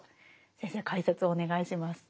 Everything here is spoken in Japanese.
先生解説をお願いします。